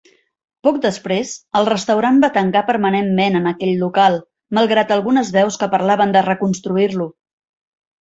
Poc després, el restaurant va tancar permanentment en aquell local, malgrat algunes veus que parlaven de reconstruir-lo.